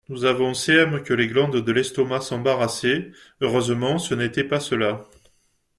Nous avons cm que les glandes de l'estomac s'embarrassaient ; heureusement ce n'était pas cela.